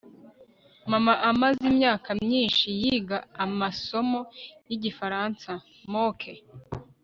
mama amaze imyaka myinshi yiga amasomo yigifaransa. (mookeee